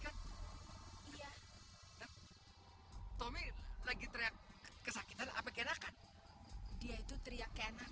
hai dom itu lagi teriak kesal kekanal stretch